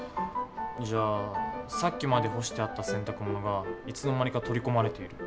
じゃあ「さっきまで干してあった洗濯物がいつの間にか取り込まれている。